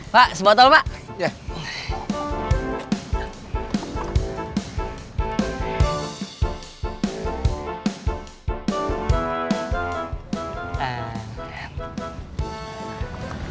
pak sebotol pak